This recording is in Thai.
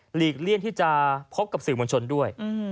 หลีกเลี่ยงที่จะพบกับสื่อมวลชนด้วย